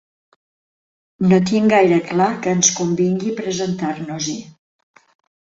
No tinc gaire clar que ens convingui presentar-nos-hi.